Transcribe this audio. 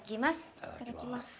いただきます。